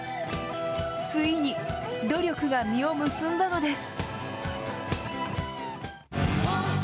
ついに、努力が実を結んだのです。